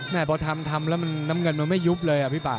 พอทำทำแล้วน้ำเงินมันไม่ยุบเลยอ่ะพี่ป่า